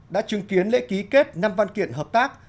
đã chứng kiến lễ ký kết năm văn kiện hợp tác